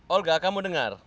olga kamu dengar